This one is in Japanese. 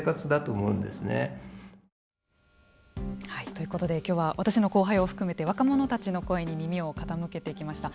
ということできょうは私の後輩を含めて若者たちの声に耳を傾けてきました。